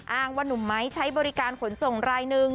อ้างว่านุ่มไม้ใช้บริการขนส่งรายหนึ่ง